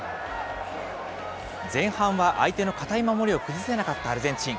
前半は相手の堅い守りを崩せなかったアルゼンチン。